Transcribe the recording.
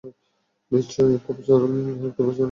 নিশ্চয় প্রফেসর হলকে চেনেন আপনি!